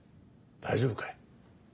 大丈夫かい？